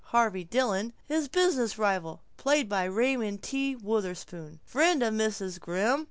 Harvey Dillon His business rival. ...... Raymond T. Wutherspoon Friend of Mrs. Grimm